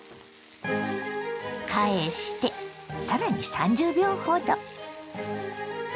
返してさらに３０秒ほど。